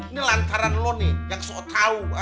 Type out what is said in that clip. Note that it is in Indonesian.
ini lantaran lo nih yang sok tau